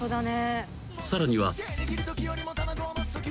［さらには］